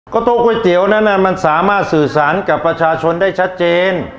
โต๊ะก๋วยเตี๋ยวนั้นมันสามารถสื่อสารกับประชาชนได้ชัดเจน